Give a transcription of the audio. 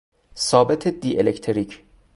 ثابت دی الکتریک